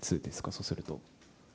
そうすると。